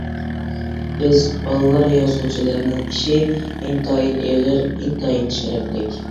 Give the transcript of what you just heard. بىز بالىلار يازغۇچىلىرىنىڭ ئىشى ئىنتايىن ئېغىر، ئىنتايىن شەرەپلىك.